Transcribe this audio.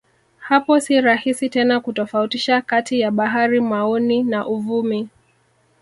Hapo si rahisi tena kutofautisha kati ya habari maoni na uvumi